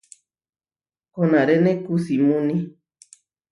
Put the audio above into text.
Konaréne kusímuni.